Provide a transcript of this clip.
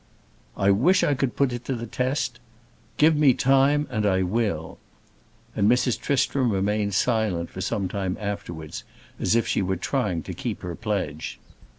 "I wish I could put it to the test. Give me time and I will." And Mrs. Tristram remained silent for some time afterwards, as if she was trying to keep her pledge.